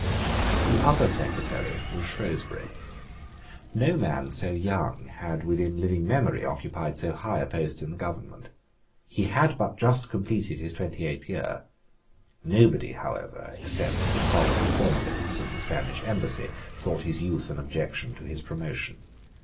The other Secretary was Shrewsbury. No man so young had within living memory occupied so high a post in the government. He had but just completed his twenty eighth year. Nobody, however, except the solemn formalists at the Spanish embassy, thought his youth an objection to his promotion.